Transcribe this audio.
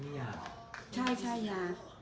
ที่อันนี้กินที่หลังนะคะ